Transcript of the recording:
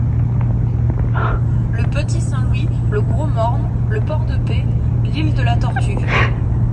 Le Petit-Saint-Louis, Le Gros-Morne, Le Port-de-Paix, l'Isle-de-la Tortue.